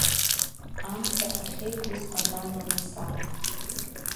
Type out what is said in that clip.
Амца ахьеиқәыз абан ауаса.